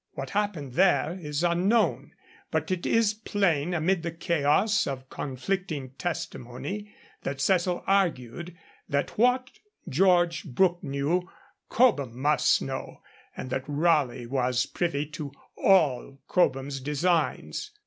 What happened there is unknown, but it is plain amid the chaos of conflicting testimony that Cecil argued that what George Brooke knew Cobham must know, and that Raleigh was privy to all Cobham's designs.